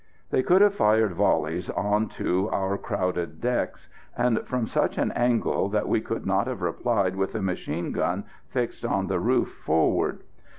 They could have fired volleys on to our crowded decks, and from such an angle that we could not have replied with the machine gun fixed on the roof forward.